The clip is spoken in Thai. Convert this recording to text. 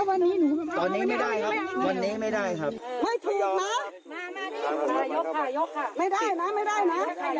เจ้าหน้าที่ไม่ให้เข้าไม่ใช่เราพวกเราไม่ให้เข้านะ